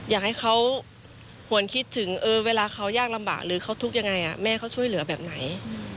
อยากให้เขาหวนคิดถึงเวลาเขายากลำบากหรือเขาทุกข์ยังไงแม่เขาช่วยเหลือแบบไหน